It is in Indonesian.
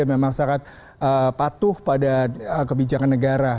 yang memang sangat patuh pada kebijakan negara